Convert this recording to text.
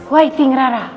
wai ting rara